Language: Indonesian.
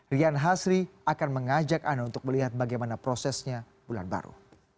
rian hasri akan mengajak anda untuk melihat bagaimana prosesnya bulan baru